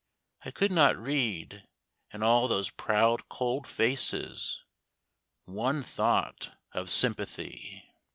I could not read, in all those proud cold faces, One thought of sympathy.